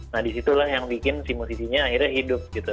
nah disitulah yang bikin si musisinya akhirnya hidup gitu